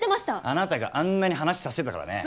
あなたがあんなに話させてたからね。